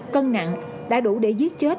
cân nặng đã đủ để giết chết